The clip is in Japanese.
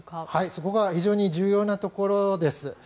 そこが非常に重要なところです。